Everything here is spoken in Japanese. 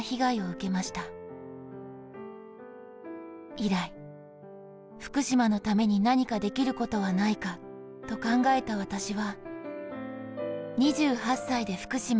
「以来、福島のためになにかできることはないかと考えた私は、」